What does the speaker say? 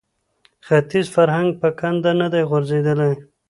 ختیز فرهنګ په کنده نه دی غورځېدلی